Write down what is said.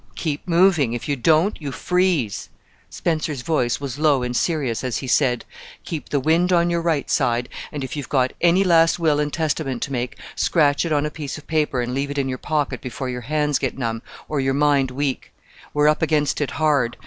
"Keep moving! If you don't, you freeze!" Spencer's voice was low and serious as he said, "Keep the wind on your right side; and if you've got any last will and testament to make, scratch it on a piece of paper and leave it in your pocket before your hands get numb, or your mind weak. We're up against it hard!